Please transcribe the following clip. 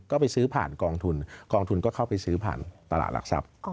ก็ไปซื้อผ่านกองทุนกองทุนก็เข้าไปซื้อผ่านตลาดหลักทรัพย์